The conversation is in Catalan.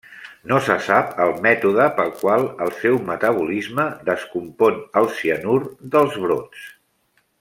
No se sap el mètode pel qual el seu metabolisme descompon el cianur dels brots.